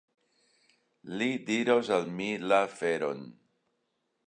Li diros al mi la veron.